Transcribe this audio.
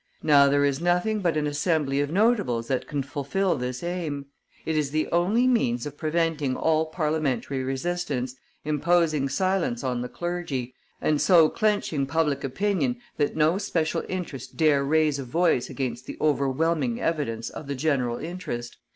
Now, there is nothing but an assembly of notables that can fulfil this aim. It is the only means of preventing all parliamentary resistance, imposing silence on the clergy, and so clinching public opinion that no special interest dare raise a voice against the overwhelming evidence of the general interest.